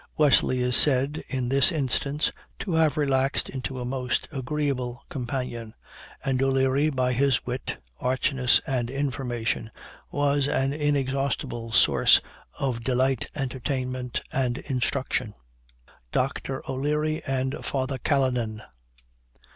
Wesley is said, in this instance, to have relaxed into a most agreeable companion; and O'Leary, by his wit, archness, and information, was an inexhaustible source of delight, entertainment, and instruction." DR. O'LEARY AND FATHER CALLANAN.